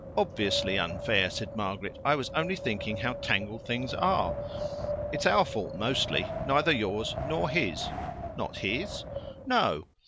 "Obviously unfair," said Margaret. "I was only thinking how tangled things are. It's our fault mostly neither yours nor his." "Not his?" "No."